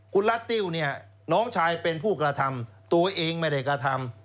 คุณรัฐติ้วเนี่ยน้องชายเป็นผู้กระทำตัวเองไม่ได้กระทำ